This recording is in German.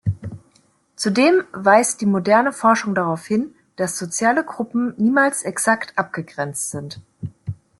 Zudem weist die moderne Forschung darauf hin, dass soziale Gruppen niemals exakt abgegrenzt sind.